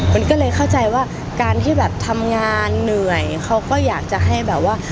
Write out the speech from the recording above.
มันก็เลยเข้าใจว่าการที่แบบทำงานเหนื่อยเขาก็อยากจะให้แบบว่า